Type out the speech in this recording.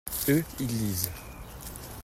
Eux, ils lisent.